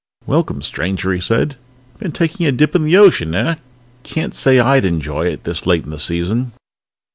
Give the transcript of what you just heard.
"Welcome, stranger," he said. "Been taking a dip in the ocean, eh? Can't say I'd enjoy it, this late in the season!"